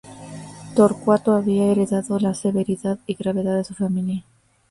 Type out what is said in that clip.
Torcuato había heredado la severidad y gravedad de su familia.